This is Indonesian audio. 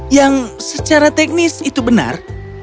yang secara teknis itu benar